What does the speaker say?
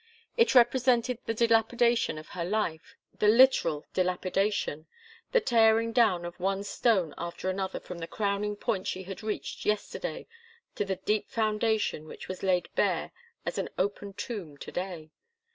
It represented the dilapidation of her life, the literal dilapidation, the tearing down of one stone after another from the crowning point she had reached yesterday to the deep foundation which was laid bare as an open tomb to day.